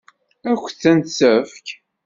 Ad kent-tt-tefk?